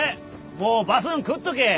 もうバスん来っとけ。